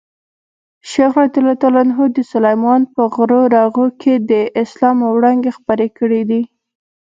شېخ رضي د سلېمان په غرو رغو کښي د اسلام وړانګي خپرې کړي دي.